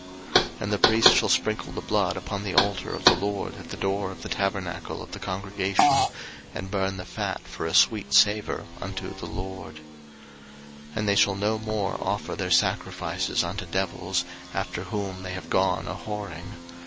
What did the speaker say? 03:017:006 And the priest shall sprinkle the blood upon the altar of the LORD at the door of the tabernacle of the congregation, and burn the fat for a sweet savour unto the LORD. 03:017:007 And they shall no more offer their sacrifices unto devils, after whom they have gone a whoring.